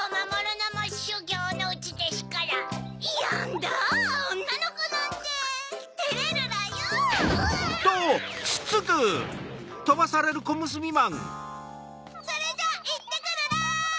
ドンそれじゃあいってくるら！